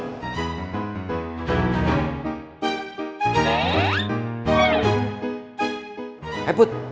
jangan ikutin putri ke kelas